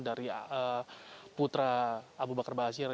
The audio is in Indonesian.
dari putra abu bakar basir